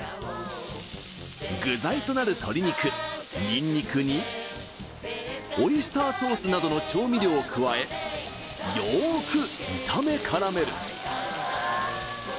具材となる鶏肉ニンニクにオイスターソースなどの調味料を加えよーく炒め絡める